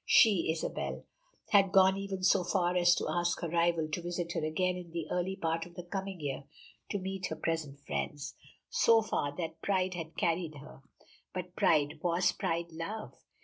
She, Isabel, has gone even so far as to ask her rival to visit her again in the early part of the coming year to meet her present friends. So far that pride had carried her. But pride was pride love?